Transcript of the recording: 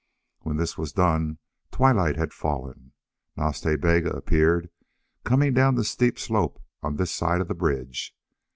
When this was done twilight had fallen. Nas Ta Bega appeared, coming down the steep slope on this side of the bridge.